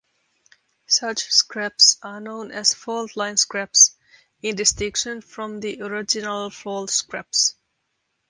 Such scarps are known as fault-line scarps, in distinction from the original fault scarps.